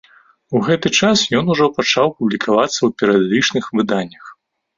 У гэты час ён ужо пачаў публікавацца ў перыядычных выданнях.